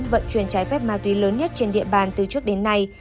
vận chuyển trái phép ma túy lớn nhất trên địa bàn từ trước đến nay